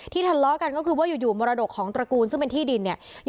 ทะเลาะกันก็คือว่าอยู่มรดกของตระกูลซึ่งเป็นที่ดินเนี่ย